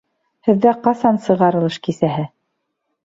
Һеҙҙә ҡасан сығарылыш кисәһе?